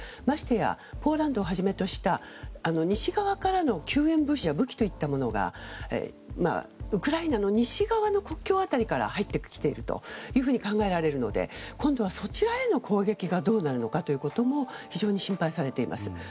ましてやポーランドをはじめとした西側からの救援物資や武器といったものがウクライナの西側の国境辺りから入ってきていると考えられるので今度はそちらへの攻撃がどうなるのかも非常に心配されています。